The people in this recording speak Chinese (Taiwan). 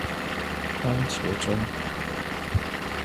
番茄鐘